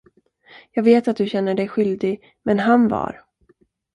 Jag vet att du känner dig skyldig, men han var.